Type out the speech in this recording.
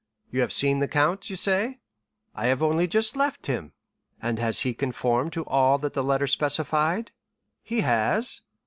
You have seen the count, you say?" "I have only just left him." "And has he conformed to all that the letter specified?" "He has."